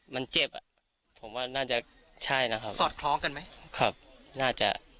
มันเจ็บอ่ะผมว่าน่าจะใช่นะครับสอดคล้องกันไหมครับน่าจะ